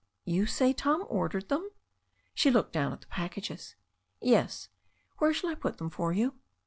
"You say Tom ordered them?" She looked down at the packages. "Yes. Where shall I put them for you?"